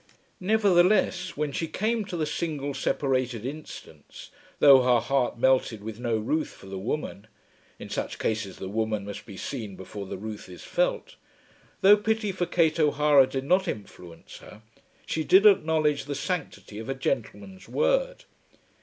Nevertheless, when she came to the single separated instance, though her heart melted with no ruth for the woman, in such cases the woman must be seen before the ruth is felt, though pity for Kate O'Hara did not influence her, she did acknowledge the sanctity of a gentleman's word.